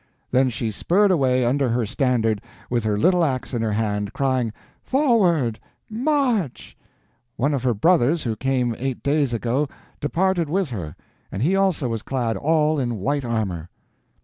Then she spurred away, under her standard, with her little ax in her hand, crying 'Forward—march!' One of her brothers, who came eight days ago, departed with her; and he also was clad all in white armor."